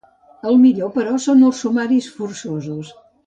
El millor, però, són els sumaris forçosos.